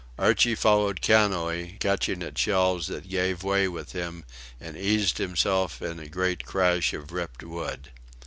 Archie followed cannily, catching at shelves that gave way with him, and eased himself in a great crash of ripped wood.